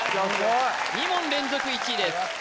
２問連続１位です